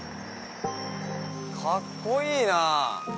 かっこいいなあ。